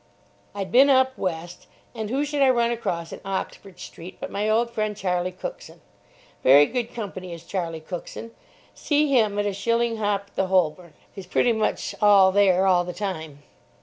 I'd been up West, and who should I run across in Oxford Street but my old friend, Charlie Cookson. Very good company is Charlie Cookson. See him at a shilling hop at the Holborn: he's pretty much all there all the time.